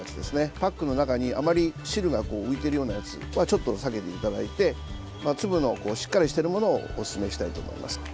パックの中にあまり汁がこう浮いているようなやつはちょっと避けていただいて粒のしっかりしているものをおすすめしたいと思います。